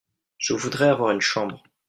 Je voudrais avoir une chambre.